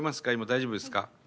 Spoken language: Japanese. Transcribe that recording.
大丈夫ですか？